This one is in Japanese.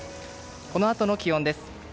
このあとの気温です。